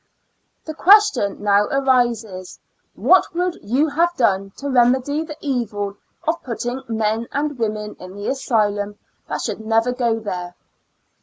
The question now arises —" What would you have done to remedy the evil of putting men and women in the asylum that should never go there?"